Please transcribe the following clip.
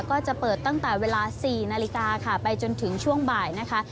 ก็จะเปิดตั้งแต่เวลา๔นาฬิกาค่ะไปจนถึงช่วงบ่ายนะคะ